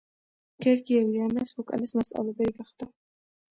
გერგიევი ანას ვოკალის მასწავლებელი გახდა.